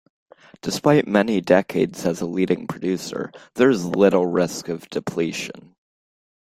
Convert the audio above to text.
Despite many decades as a leading producer, there is little risk of depletion.